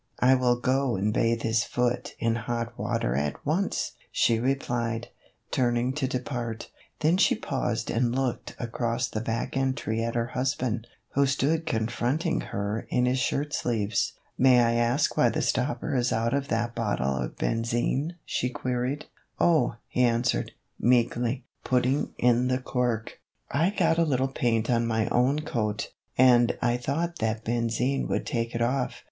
"I will go and bathe his foot in hot water at once," she replied, turning to depart. Then she paused and looked across the back entry at her hus band, who stood confronting her in his shirt sleeves. " May I ask why the stopper is out of that bottle of benzine ?" she queried. " Oh," he answered, meekly, putting in the cork, MR. HURD'S HOLIDAY. 1 05 " I got a little paint on my own coat, and I thought that benzine would take it off.